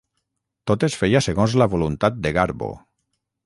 Tot es feia segons la voluntat de Garbo.